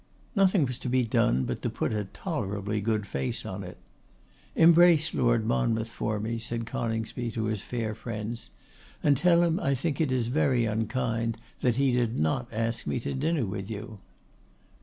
Nothing was to be done but to put a tolerably good face upon it. 'Embrace Lord Monmouth for me,' said Coningsby to his fair friends, 'and tell him I think it very unkind that he did not ask me to dinner with you.